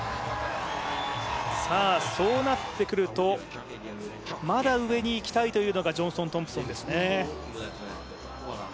そうなってくるとまだ上に行きたいというのがジョンソン・トンプソンですね。